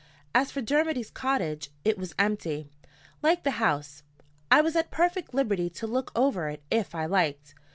As for Dermody's cottage, it was empty, like the house. I was at perfect liberty to look over it if I liked.